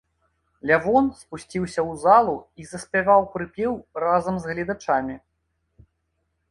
Лявон спусціўся ў залу і заспяваў прыпеў разам з гледачамі.